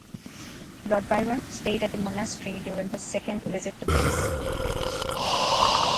Lord Byron stayed at the monastery during his second visit to Greece.